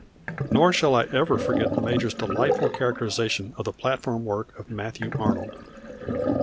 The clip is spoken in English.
Nor shall I ever forget the major's delightful characterization of the platform work of Matthew Arnold.